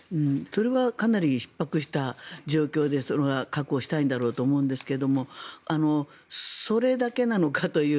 それはかなりひっ迫した状況でそれは確保したいんだろうと思うんですがそれだけなのかという。